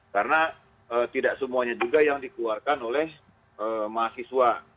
karena tidak semuanya juga yang dikeluarkan oleh mahasiswa